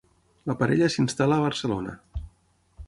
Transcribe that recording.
La parella s'instal·la a Barcelona.